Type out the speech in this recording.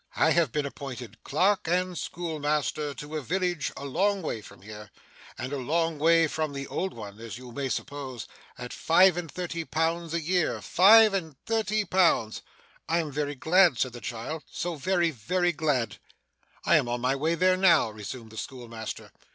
'I have been appointed clerk and schoolmaster to a village a long way from here and a long way from the old one as you may suppose at five and thirty pounds a year. Five and thirty pounds!' 'I am very glad,' said the child, 'so very, very glad.' 'I am on my way there now,' resumed the schoolmaster.